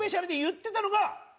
って。